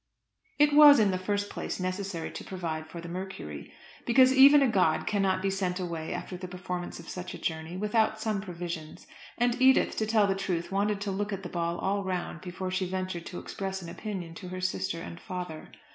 It was, in the first place, necessary to provide for the Mercury, because even a god cannot be sent away after the performance of such a journey without some provisions; and Edith, to tell the truth, wanted to look at the ball all round before she ventured to express an opinion to her sister and father.